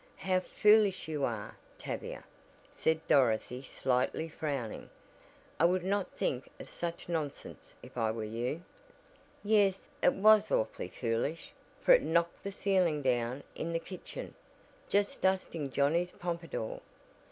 "How foolish you are, Tavia," said Dorothy slightly frowning, "I would not think of such nonsense if I were you." "Yes, it was awfully foolish, for it knocked the ceiling down in the kitchen, just dusting Johnnie's pompadour.